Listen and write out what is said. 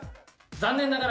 残念ながら。